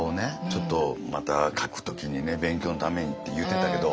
ちょっとまた書く時にね勉強のためにって言ってたけどうそでしょ？